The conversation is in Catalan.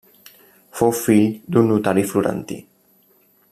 Fou fill d'un notari florentí.